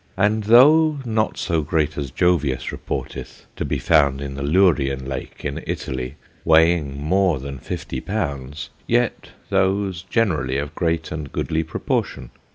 And though not so great as Jovius reporteth to be found in the Lurian Lake in Italy, weighing more than fifty pounds, yet those generally of great and goodly proportion.